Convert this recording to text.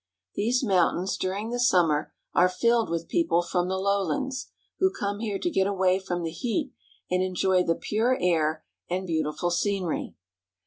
These mountains during the summer are filled with people from the lowlands, who come here to get away from the heat and enjoy the pure air and beau tiful scenery.